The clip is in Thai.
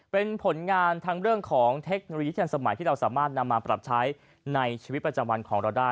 เป็นผลงานทั้งเรื่องของเทคโนโลยีทันสมัยที่เราสามารถนำมาปรับใช้ในชีวิตประจำวันของเราได้